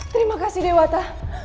terima kasih dewata